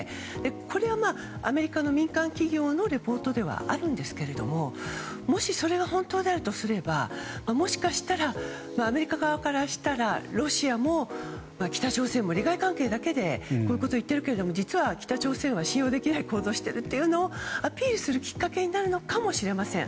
これはアメリカの民間企業のレポートではあるんですけどもしそれが本当であるとすればもしかしたらアメリカ側からしたらロシアも北朝鮮も利害関係だけでこういうことを言ってるけども実は北朝鮮は信用できない行動をしているということをアピールするきっかけになるのかもしれません。